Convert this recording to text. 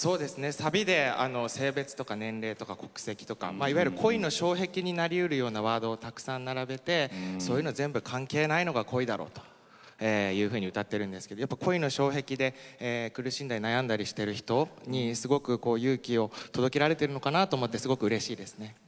サビで性別とか年齢とか国籍とかいわゆる恋の障壁になりうるワードをたくさん並べてそういうのは関係ないのが恋だろというふうに歌っているんですけど恋の障壁に悩んでいる人に勇気を届けられているのかなと思って、すごくうれしいです。